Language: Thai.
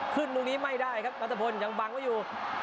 ลูกนี้ไม่ได้ครับนัทพลยังบังไว้อยู่